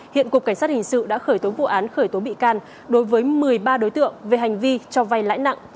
hiện cục cảnh sát hình sự đã khởi tố vụ án khởi tố bị can đối với một mươi ba đối tượng về hành vi cho vay lãi nặng